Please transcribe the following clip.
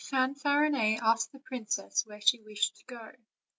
Fanfarinet asked the princess where she wished to go.